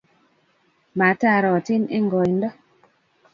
matarotin eng' koindo